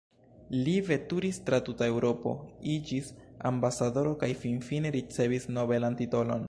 Li veturis tra tuta Eŭropo, iĝis ambasadoro kaj finfine ricevis nobelan titolon.